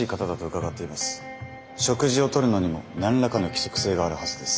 食事をとるのにも何らかの規則性があるはずです。